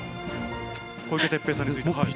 小池徹平さんについては。